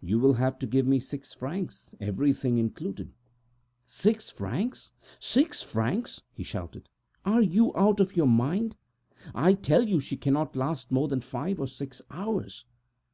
You will have to give me six francs, everything included." "Six francs! six francs!" he shouted. "Are you out of your mind? I tell you that she cannot last more than five or six hours!"